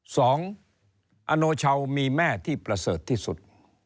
สองอโนเช้ามีแม่ที่เปละเสริษที่สุด